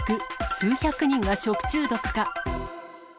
数百人が食中毒か。